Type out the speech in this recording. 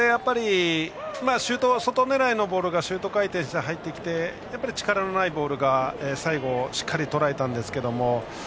外狙いのボールがシュート回転して入ってきてその力のないボールを最後しっかりとらえたんですけど。